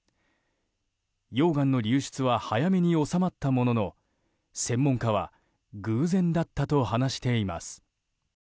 溶岩の流出は早めに収まったものの専門家は偶然だったと話しています。